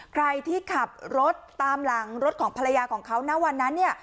ใครที่ขับรถปลาลังพลังรถของภรรยาของเขานักว่านั้น